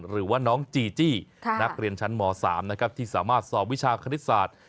หรือว่าน้องจีจี้นักเรียนชั้นม๓นะครับที่สามารถสอบวิชาคณิตศาสตร์